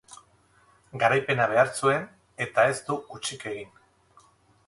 Garaipena behar zuen, eta ez du hutsik egin.